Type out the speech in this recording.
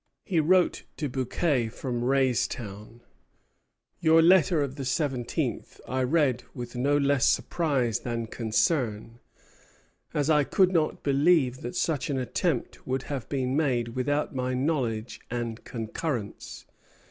He wrote to Bouquet from Raystown: "Your letter of the seventeenth I read with no less surprise than concern, as I could not believe that such an attempt would have been made without my knowledge and concurrence.